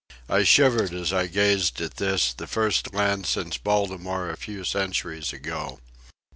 I shivered as I gazed at this, the first land since Baltimore a few centuries ago.